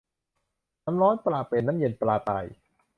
น้ำร้อนปลาเป็น น้ำเย็นปลาตาย